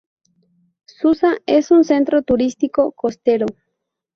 Susa es un centro turístico costero.